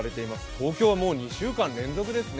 東京はもう２週間連続ですね。